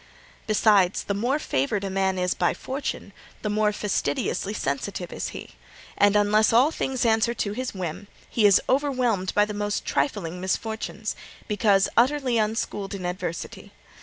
Besides, the more favoured a man is by Fortune, the more fastidiously sensitive is he; and, unless all things answer to his whim, he is overwhelmed by the most trifling misfortunes, because utterly unschooled in adversity.